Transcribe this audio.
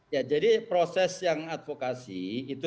ya jadi proses yang advokasi itu